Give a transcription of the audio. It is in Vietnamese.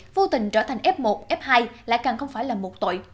vô tình trở thành f một f hai lại càng không phải là một tội